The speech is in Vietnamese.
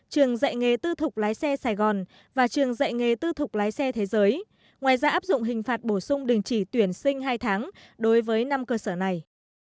trường dạy nghề tư thục lái xe sài gòn và trường dạy nghề tư thục lái xe thế giới ngoài ra áp dụng hình phạt bổ sung đình chỉ tuyển sinh hai tháng đối với năm cơ sở này